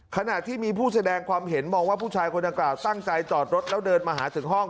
ขณะที่มีผู้แสดงความเห็นมองว่าผู้ชายคนดังกล่าวตั้งใจจอดรถแล้วเดินมาหาถึงห้อง